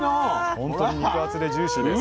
本当に肉厚でジューシーです。